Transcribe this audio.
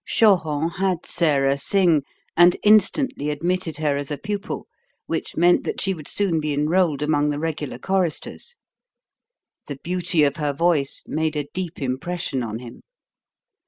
Choron had Sarah sing, and instantly admitted her as a pupil, which meant that she would soon be enrolled among the regular choristers. The beauty of her voice made a deep impression on him.